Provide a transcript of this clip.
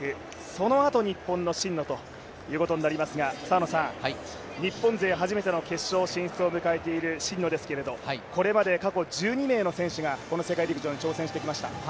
そのあと日本の真野となりますが、日本勢初めての決勝進出を迎えている真野ですが、これまで過去１２名の選手が世界陸上に挑戦してきました。